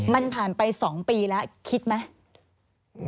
มันผ่านไป๒ปีแล้วคิดไหม